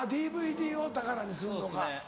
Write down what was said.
ＤＶＤを宝にすんのか。